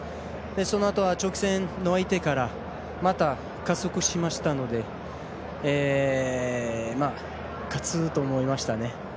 そのあとは、直線の相手からまた加速しましたので勝つと思いましたね。